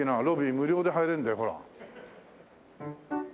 無料で入れるんだよほら。